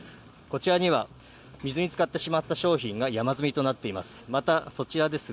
こちらには水に浸かってしまった商品が山積みとなっています。